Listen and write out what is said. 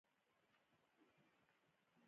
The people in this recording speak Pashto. که تاسو وغواړئ نو غوره کتابونه موندلی شئ.